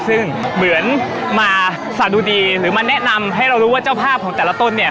ซึ่งเหมือนมาสะดุดีหรือมาแนะนำให้เรารู้ว่าเจ้าภาพของแต่ละต้นเนี่ย